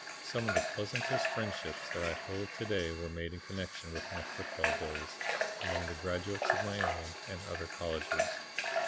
Some of the pleasantest friendships that I hold to day were made in connection with my football days, among the graduates of my own and other colleges.